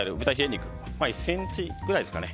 肉、１ｃｍくらいですかね